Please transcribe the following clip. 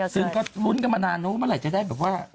ซึ่งก็ลุ้นกันมานานมันไหล่จะได้เป็นว่า